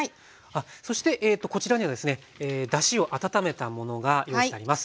あっそしてこちらにはですねだしを温めたものが用意してあります。